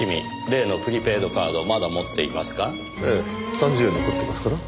３０円残ってますから。